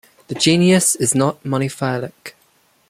This genus is not monophyletic.